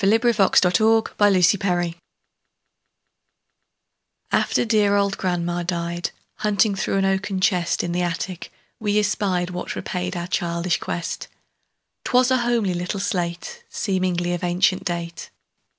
Eugene Field Little Homer's Slate AFTER dear old grandma died, Hunting through an oaken chest In the attic, we espied What repaid our childish quest; 'Twas a homely little slate, Seemingly of ancient date.